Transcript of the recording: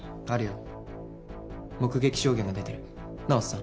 あるよ目撃証言が出てるなっ？